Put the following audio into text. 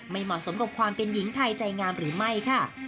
ไม่เหมาะสมกับความเป็นหญิงไทยใจงามหรือไม่ค่ะ